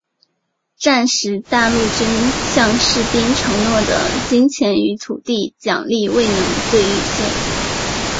战时大陆军向士兵承诺的金钱与土地奖励未能兑现。